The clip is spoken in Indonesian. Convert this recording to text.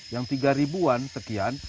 yang tiga ribu an sekian